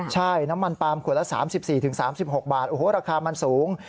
ใช่น้ำมันปลามขวดละ๓๔๓๖บาทโอ้โหราคามันสูง